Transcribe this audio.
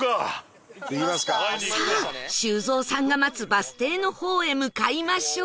さあ修造さんが待つバス停の方へ向かいましょう